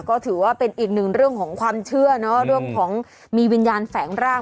ก็ถือว่าเป็นอีกหนึ่งเรื่องของความเชื่อเนอะเรื่องของมีวิญญาณแฝงร่าง